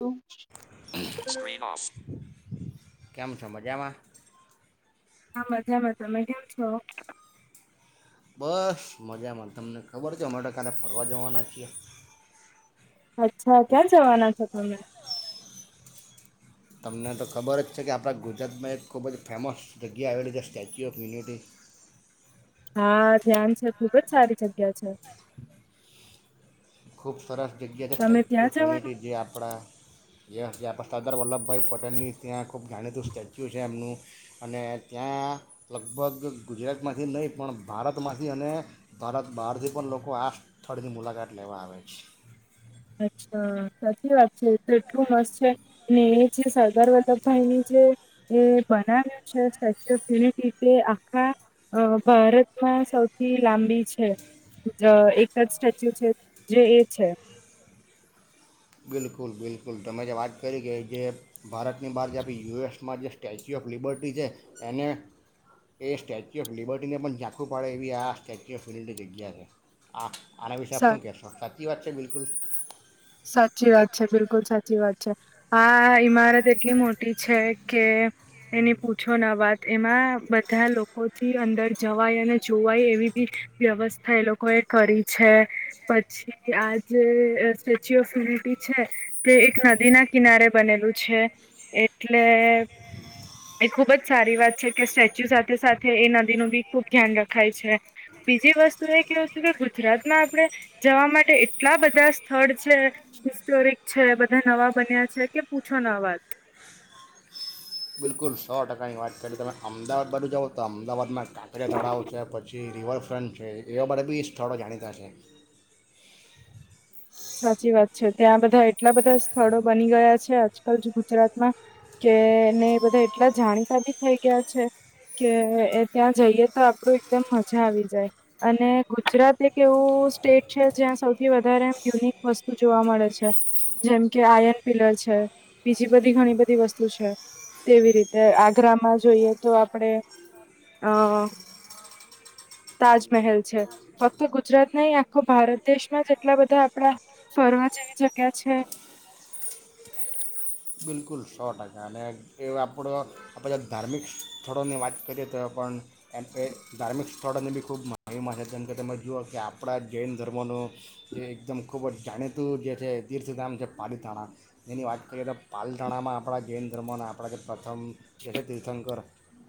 હા [inaudible] કેમ છો મજામાં હા મજામાં તમે કેમ છો બસ મજામાં તમને ખબર છે અમે તો કાલે ફરવા જવાના છીએ અચ્છા ક્યાં જવાના છો તમે તમને તો ખબર જ છે કે આપણા ગુજરાતમાં એક ખૂબ જ ફેમસ જગ્યા આવેલી છે સ્ટેચ્યુ ઓફ યુનિટી હા ધ્યાન છે ખુબ જ સારી જગ્યા છે ખૂબ સરસ જગ્યાએ તમે સ્ટેચ્યુ ત્યાં ઓફ યુનિટી જવાના જે આપણા જે આપણે સરદાર વલ્લભભાઈ પટેલની ત્યાં ખૂબ જાણીતું સ્ટેચ્યુ છે એમનું અને ત્યાં લગભગ ગુજરાતમાંથી નહીં પણ ભારતમાંથી અને ભારત બહારથી પણ લોકો આ સ્થળની મુલાકાત લેવા આવે છે. અચ્છા સાચી વાત છે તો એટલું મસ્ત છે ને એ જે સરદાર વલ્લભભાઈની જે એ બનાવ્યું છે સ્ટેચ્યુ ઓફ યુનિટી તે આખા ભારતમાં સૌથી લાંબી છે એક જ સ્ટેચ્યુ છે જે એ છે. બિલકુલ બિલકુલ તમે જે વાત કરી કે જે ભારતની બહાર જ આપી યુ એસમાં જે સ્ટેચ્યુ ઓફ લિબર્ટી છે એને એ સ્ટેચ્યુ ઓફ લિબર્ટીને પણ ઝાંખું પાડે એવી આ સ્ટેચ્યુ ઓફ લયુનિટી જગ્યા છે આ આના વિશે સ આપ શું કહેશો સાચી વાત છે બિલકુલ. સાચી વાત છે બિલકુલ સાચી વાત છે. આ ઈમારત એટલી મોટી છે કે એની પૂછો ના વાત એમાં બધા લોકોથી અંદર જવાય અને જોવાય એવી બી વ્યવસ્થા એ લોકો એ કરી છે પછી આજ સ્ટચ્યુ ઓફ યુનિટી છે તે એક નદીના કિનારે બનેલું છે એટલે એ ખુબ જ સારી વાત છે કે સ્ટેચ્યુ સાથે સાથે એ નદીનું બી ખુબ ધ્યાન રખાય છે બીજી વસ્તુ એ કેવું છે કે ગુજરાતમાં આપણે જવા માટે એટલા બધા સ્થળ છે હિસ્તોરિક છે બધા નવા બન્યા છે કે પૂછો ન વાત. બિલકુલ સો ટકાની વાત કરી તમે અમદાવાદ બાજુ જાઓ તો અમદાવાદમાં કાકરે તડાવ છે પછી રિવરફ્રન્ટ છે એવા બ બી સ્થાળો જાણીતા છે. સાચી વાત છે ત્યાં બધા એટલા બધા સ્થળો બની ગયા છે આજકાલ ગુજરાતમાં કેને બધા એટલા જાણીતા બી થઈ ગયા છે કે ત્યાં જઈએ તો આપડું એકદમ મજા આવી જાય અને ગુજરાત એક એવું સ્ટેટ છે જ્યાં સૌથી વધારે યુનિક વસ્તુ જોવા મળે છે જેમ કે આયન પિલર છે બીજી બધી ઘણી બધી વસ્તુ છે તેવી રીતે આગ્રામાં જોઈએ તો આપણે અ તાજમહેલ છે ફક્ત ગુજરાત નહી આખો ભારત દેશમાં જટલા બધા આપડા ફરવા જેવી જગ્યા છે. બિલકુલ સો ટકા છે અને એ આપણો આપણે ધાર્મિક સ્થળોની વાત કરીએ તો પણ એમ એ ધાર્મિક સ્થળોની બી ખૂબ મહહિતમા છે જેમ કે તમે જુઓ કે આપણા જૈન ધર્મોનું જે એકદમ ખૂબ જ જાણીતું જે છે તીર્થધામ છે પાલીથણા એની વાત કરીએ તો પાલટણામાં આપણા જૈન ધર્મો અને આપણા જે પ્રથમ જેખ તીર્થંકર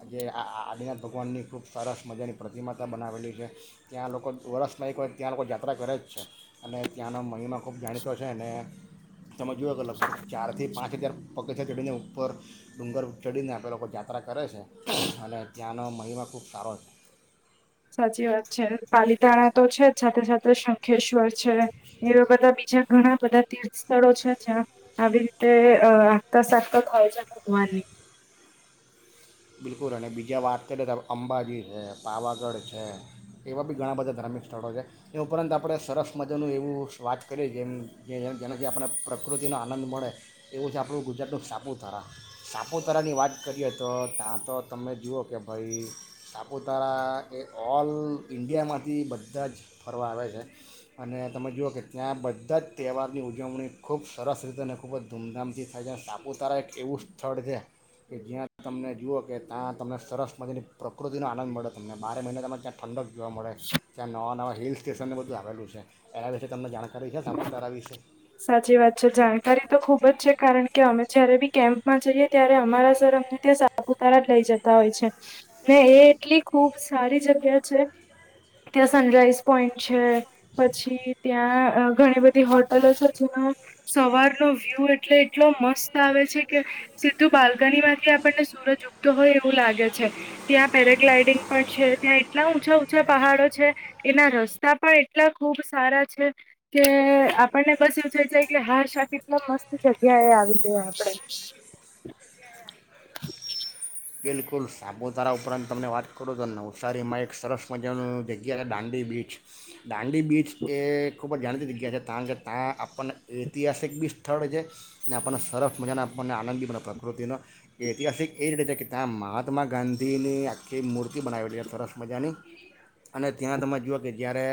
જે આ આદિનાથ ભગવાનની ખૂબ સરસ મજાની પ્રતિમાતા બનાવેલી છે ત્યાં લોકો વર્ષમાં એક વાર ત્યાં લોકો યાત્રા કરે જ છે અને ત્યાંનો મહિમા ખૂબ જાણીતો છે અને તમે જુઓ તો લગભગ ચારથી પાંચ ત્યારે પગેથ ચઢડીને ઉપર ડુંગર ચડીને આપે લોકો જાયાત્રા કરે છે અને ત્યાંનો મહિમા ખૂબ સારો છે. સાચી વાત છે પાલીતાણા તો છે જ સાથે સાથે શંખેશ્વર છે એવા બધા બીજા ઘણા બધા તીર્થ સ્થળો છે જ્યાં આવી રીતે આતા સાકતા હોય છે ભગવાનની. બિલકુલ અને બીજા વાત કરીએ તો અંબાજી છે પાવાગઢ છે એવા બી ઘણાં બધા ધાર્મિક સ્થળો છે એ ઉપરાંત આપણે સરસ મજાનું એવું વાત કરીએ જેમ જેમ જેનાથી આપણે પ્રકૃતિનો આનંદ મળે એવું છે આપણું ગુજરાતનું સાપુતારા સાપુતારાની વાત કરીએ તો ત્યાં તો તમે જુઓ કે ભાઈ સાપુતારા એ ઓલ ઇન્ડિયામાંથી બધા જ ફરવા આવે છે અને તમે જુઓ કે ત્યાં બધા જ તહેવારની ઉજવણી ખૂબ સરસ રીતે અને ખૂબ જ ધૂમધામથી થાય છે સાપુતારા એક એવું સ્થળ છે કે જ્યાં તમને જુઓ કે ત્યાં તમને સરસ મજની પ્રકૃતિનો આનંદ મળે તમને બારે મહિના તમે ત્યાં ઠંડક જોવા મળે ત્યાં નવા નવા હિલ સ્ટેશનને બધું આવેલું છે એના વિશે તમને જાણ સાચી વાત છે જાણકારી તો ખુબ જ છે કારણ કે અમે જયારે બી કેમ્પમાં જઈએ ત્યારે અમારા સર અમને ત્યાં સાપુતારા લઈ જતા હોય છે ને એ એટલી ખુબ સારી જગ્યા છે ત્યાં સનરાઈઝ પોઈન્ટ છે પછી ત્યાં ઘણી બધી હોટલો છે જેનો સવારનો વ્યૂ એટલે એટલો મસ્ત આવે છે કે સીધું બાલ્કની માંથી આપણને સૂરજ ઉગતો હોય એવું લાગે છે ત્યાં પેરાગ્લાઈડિંગ પણ છે ત્યાં એટલા ઉચા ઉચા પહાડો છે એના રસ્તા પણ એટલા ખુબ સારા છે કે આપણને બસ એવું થઈ જાય કે હા શાકટલો મસ્ત જગ્યાએ આવી ગયા આપડે. બિલકુલ સાપુતારા ઉપરાંત તમને વાત કરો તો નવસારીમાં એક સરસ મજાનું જગ્યા છે દાંડી બીચ દાંડી બીચ એ ખૂબ જ જાણીતી જગ્યા છે તણ કે ત્યાં આપણને ઐતિહાસિક બી સ્થળ છે અનેને આપણને સરસ મજાનો આપણને આનંદ બી બને પ્રકૃતિનો ઐતિહાસિક એ જ રીતે કે ત્યાં મહાત્મા ગાંધીની આખી મૂર્તિ બનાવેલી છે સરસ મજાની અને ત્યાં તમે જુઓ કે જ્યારે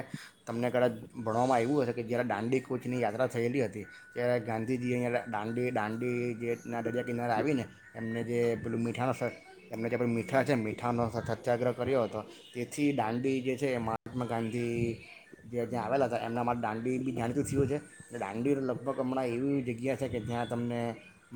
તમને કદાચ ભણવામાં આવ્યું હશે કે જ્યારે દાંડી કોૂચની યાત્રા થયેલી હતી ત્યારે ગાંધીજી અહીંયા દાંડી દાંડી જેના દરિયા કિનારે આવીને એમને જે પેલું મીઠાણ એમને જે આપણે મીઠા છે મીઠાનો સત્યાગ્રહ કર્યો હતો તેથી દાંડી જે છે એ મહાત્મા ગાંધી જે જ્યાં આવેલા હતા એમના માટે દાંડી બી જાણીતું થયું છે દાંડી લગભગ હમણાં એવી જગ્યા છે કે જ્યાં તમને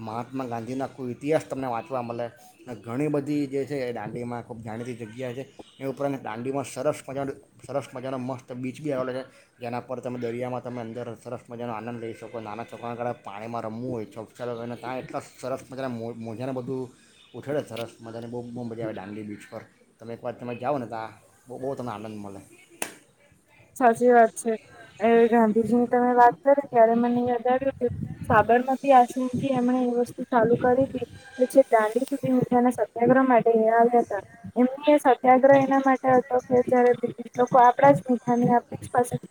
મહાત્મા ગાંધીના કૂ ઇતિહાસ તમને વાંચવા મળે. અને ઘણી બધી જે છે એ દાંડીમાં ખૂબ જાણીતી જગ્યા છે એ ઉપરાંત દાંડીમાં સરસ મજાનો સરસ મજાનો મસ્ત બીચ બી આવેલો છે જેના પર તમે દરિયામાં તમે અંદર સરસ મજાનો આનંદ લઈ શકો નાના ચોકરા કળ પાણીમાં રમવું હોય ચોકચારોને ત્યાં એટલા સરસ મજાના મોજાનું બધું ઉછડ થરારસ ત બહુ મ મજા આવે ડાંગી બીચ પર. તમે એક વાર તમે જાઓ ને ત બહુ બહુ તમને આનંદ મલે. સાચી વાત છે ગાંધીજીની તમે વાત કરી ત્યારે મને યાદ આવ્યું હતું સાબરમતી આશ્રમથી એમણે એ વસ્તુ ચાલુ કરી હતી કે જે દાંડી સુધી મીડિયાના સત્યાગ્રહ માટે આવ્યા હતા એમની એ સત્યાગ્રહ એના માટે હતો કે જયારે બ્રિટિશ લોકો આપડા જ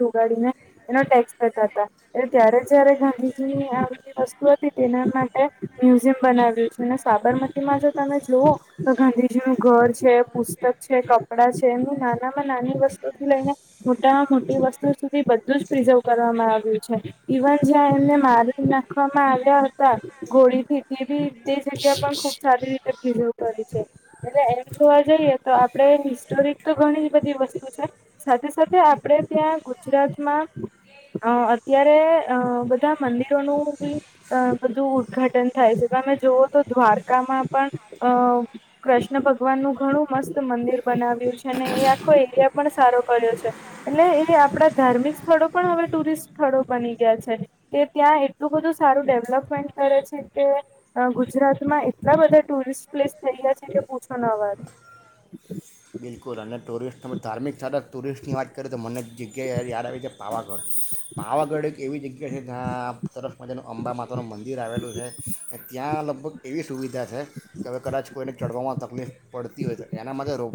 ઉગાડીને એનો ટેક્સ કરતા હતા એટ ત્યારે જયારે ગાંધીજી ની આ બધી વસ્તુ હતી તેના માટે મ્યુઝિયમ બનાવ્યું છે અને સાબરમતીમાં જો તમે જુવ તો ગાંધીજી નું ઘર છે પુસ્તક છે કપડાં છે એમની નાનામાં નાની વસ્તુથી લઈને મોટામાં મોટી વસ્તુ સુધી બધું જ પ્રિઝર્વ કરવામાં આવ્યું છે ઇવન જ્યાં એમને મારી નાખવામાં આવ્યા હતા ઘોડીથી તે બી તે જગ્યા પણ ખૂબ સારી રીતે પ્રિઝર્વ કરી છે એટલે એમ જોવા જઈએ તો આપણે હિસ્ટોરિક તો ઘણી બધી વસ્તુ છે સાથે સાથે આપણે ત્યાં ગુજરાતમાં અ અત્યારે અ બધા મંદિરોનું બી અ બધું ઉદ્ઘાટન થાય છે તમે જોુવઓ તો દ્વારકામાં પણ અ કૃષ્ણ ભગવાનનું ઘણું મસ્ત મંદિર બનાવ્યું છે અને એ આખો એરિયા પણ સારો કર્યો છે. એટલે એ આપણા ધાર્મિક સ્થળો પણ હવે ટુરિસ્ટ સ્થળો બની ગયા છે કે ત્યાં એટલું બધું સારું ડેવલપમેન્ટ કરે છે કે ગુજરાતમાં એટલા બધા ટુરિસ્ટ પ્લેસ થઈ ગયા છે કે પૂછો ન વાત બિલકુલ અને ટુરિસ્ટ ધાર્મિક સ્થારક ટુરિસ્ટની વાત કરએ તો મને જ જગયા યાદ આવી છે પાવાગઢ પાવાગઢ એક એવી જગ્યા છે જ્યાં તરફમાંનું અંબા માતાનું મંદિર આવેલું છે ત્યાં લ લગભગ એવી સુવિધા છે કે હવે કદાચ કોઈને ચઢવામાં તકલીફ પડતી હોય તો એના માટે રો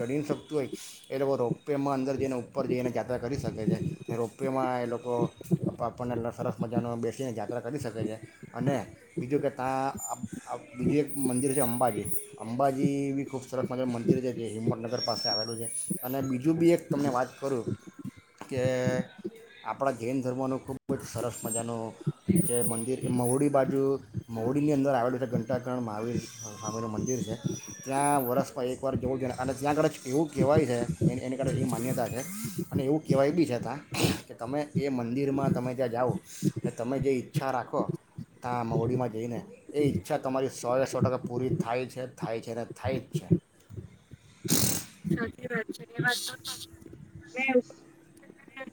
ચડી ન શકતું હોય એ લોકો રોપેમાં અંદર જઈને ઉપર જઈને યાત્રા કરી શકે છે રોપવેમાં એ લોકો આપણને સરસ મજાનો બેસીને યાત્રા કરી શકે છે અને બીજું કે ત્યાં બીજું એક મંદિર છે અંબાજી અંબાજી બી ખો સરસ મજા મંદિર જે હિમત પાસે આવેલું છે અને બી જુબી એક તમને વાત કરુ કે આપણા જૈન ધર્મનું ખૂબ જ સરસ મજાનું જે મંદિર એ મવડી બાજુ મહડીની અંદર આવેલું છે ઘંટાકરણ મહાવીર સ્વામીનું મંદિર છે. ત્યાં વરસમાં એક વાર જવું જ અને ત્યાંગળે એવું કહેવાય છે. એ એની કારણે એવી માન્યતા છે અને એવું કહેવાય બી છે ત્યાં કે તમે એ મંદિરમાં તમે ત્યાં જાઓ અનેટ તમે જે ઈચ્છા રાખો ત્યાં મોડીમાં જઈને એ ઈચ્છા તમારી સોએ સો ટકા પૂરી થાય છે. થાય છે ને થાય જ છે. [inaudible]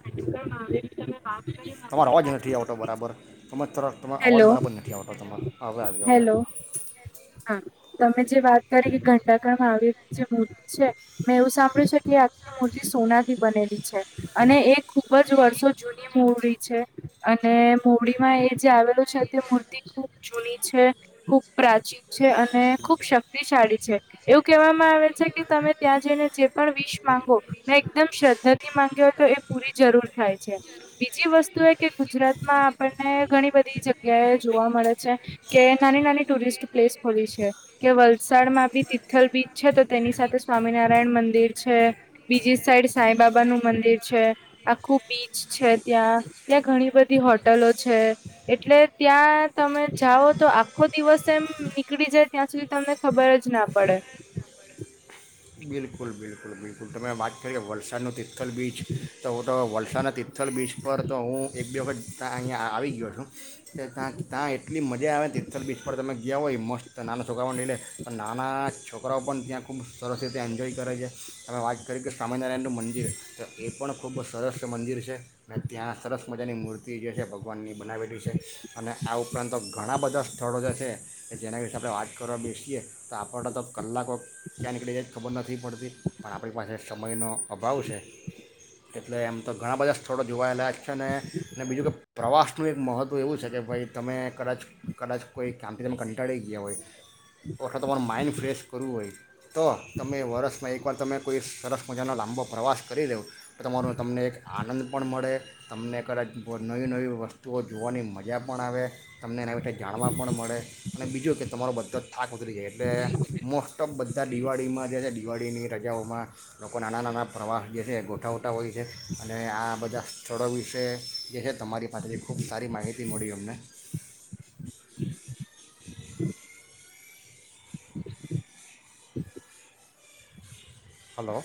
પણ જોયું છે કે જે નાટકમાં આવેલી તમે વાત કરી તમારો અવાજ મુંબઈમાં જે નથી આવતો મૂર્તિ છે બરાબર તમારો અવાજ હેલો બરાબર નથી આવતો તમારો હવે આવ્યો હવે હેલો આવ્યો હા ત મે જે વાત કરી કે ઘંટાકરમાં આવેલી જે મૂર્તિ છે મેં એવું સાંભળ્યું છે કે આખી મૂર્તિ સોનાથી બનેલી છે અને એ ખુબ જ વર્ષો જૂની મૂરડી છે અને મુરડીમાં એ જે આવેલું છે તે મૂર્તિ ખુબ જૂની છે ખૂબ પ્રાચીન છે અને ખૂબ શક્તિશાળી છે એવું કહેવામાં આવે છે કે તમે ત્યાં જઈને જે પણ વિષ માંગો ને એકદમ શ્રદ્ધાથી માંગ્યો હો તો એ પૂરી જરૂર થાય છે બીજી વસ્તુ એ કે ગુજરાતમાં આપણને ઘણી બધી જગ્યા એ જોવા મળે છે કે નાની નાની ટુરિસ્ટ પ્લેસ ખોલી છે કે વલસાડમાં બી તિથલ બીચ છે તો તેની સાથે સ્વામિનારાયણ મંદિર છે બીજી સાઈડ સાંઈડ બાબાનું મંદિર છે આખું બીચ છે ત્યાં ત્યાં ઘણી બધી હોટલો છે એટલે ત્યાં તમે જાઓ તો આખો દિવસ એમ નીકળી જાય ત્યાં સુધી તમને ખબર જ ના પડે બિલકુલ બિલકુલ બિલકુલ તમે વાત કરીએ વલસાડનું તિર્થલ બીચ તો હું તો વલસાડના તિર્થલ બીચ પર તો હું એક બે વખત ત્યાં અહીંયા આવી ગયો છું કે ત્યાં ત્યાં એટલી મજા આવે તિર્થલ બીચ પર તમે ગયા હોય એ મસ્ત નાના છોકરાઓને લઈ લે તો નાના છોકરાઓ પણ ત્યાં ખૂબ સરસ રીતે એન્જોય કરે છે. તમે વાત કરી સા સ્વામિનારાયણનું મંદિર તો એ પણ ખૂબ સરસ મંદિર છે અને ત્યાં સરસ મજાની મૂર્તિ જે છે ભગવાનની બનાવેલી છે અને આ ઉપરાંત ઘણા બધા સ્થળો જે છે જેના વિશે આપણે વાત કરવા બેસીએ તો આપણ તો કલાકો ક્યાં નીકળી જાય ખબર નથી પડતી પણ આપણી પાસે સમયનો અભાવ છે એટલે એમ તો ઘણા બધા સ્થળો જોવાયેલા છે અને બીજું કે પ્રવાસનું એક મહત્ત્વ એવું છે કે ભાઈ તમે કદાચ કદાચ કોઈ કામથી તમે કંટાળી ગયા હોય અથવા તમારું માઇન્ડ ફ્રેશ કરવું હોય તો તમે વરષમાં એક પણ તમે કોઈ સરસ મજાનો લાંબો પ્રવાસ કરી દો તો તમારો તમને એક આનંદ પણ મળે તમને કદાચ નવી નવી વસ્તુઓ જોવાની મજા પણ આવે તમને એના વિશે જાણવા પણ મળે અને બીજું કે તમારો બધો જ થાક ઉતરી જાય એટલે મોસ્ટ ઓફ બધા દિવાળીમાં જે છે [inaudible] પ્રજાઓમાં લોકો નાના નાના પ્રવાસ જે છે એ ગોઠવતા હોય છે અને આ બધા સ્થળો વિશે જે છે તમારી પાસેથી ખૂબ સારી માહિતી મળી અમને હ [inaudible] હલો